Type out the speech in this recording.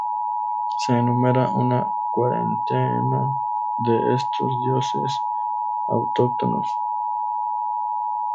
Se enumeran una cuarentena de estos dioses autóctonos.